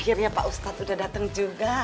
akhirnya pak ustadz udah dateng juga